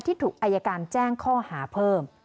ที่ถูกอายการแจ้งข้อหาเพิ่ม